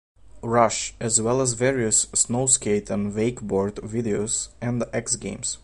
Rush, as well as various snowskate and wakeboard videos, and the X Games.